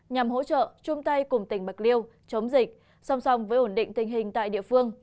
nhằm hỗ trợ chung tay cùng tỉnh bạc liêu chống dịch song song với ổn định tình hình tại địa phương